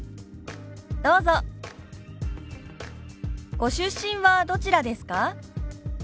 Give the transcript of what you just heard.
「ご出身はどちらですか？」。